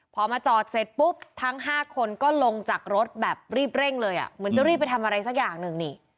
พอมาจอดเสร็จปุ๊บทั้ง๕คนก็ลงจากรถแบบรีบเร่งเลยอ่ะเหมือนจะรีบไปทำอะไรสักอย่างหนึ่งนี่